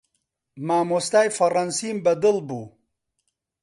مامۆستای فەڕەنسیم بەدڵ بوو.